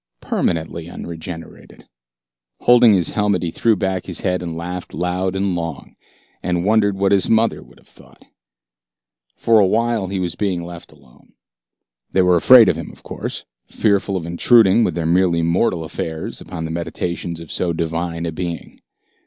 Permanently unregenerated. Holding his helmet, he threw back his head and laughed loud and long, and wondered what his mother would have thought. For awhile he was being left alone. They were afraid of him, of course, fearful of intruding with their merely mortal affairs upon the meditations of so divine a being.